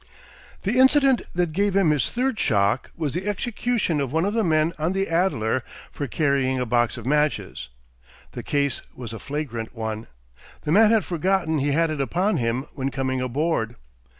The incident that gave him his third shock was the execution of one of the men on the Adler for carrying a box of matches. The case was a flagrant one. The man had forgotten he had it upon him when coming aboard.